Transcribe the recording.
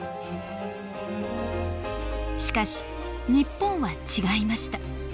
しかし日本は違いました。